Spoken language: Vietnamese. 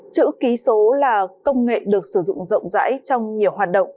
chữ ký số là công nghệ được sử dụng rộng rãi trong nhiều hoạt động